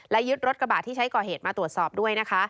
และยึดรถกระบะที่ใช้ก่อเหตุมาตรวจสอบด้วยนะคะ